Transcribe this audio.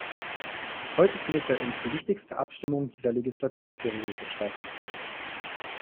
Heute findet bei uns die wichtigste Abstimmung dieser Legislaturperiode statt.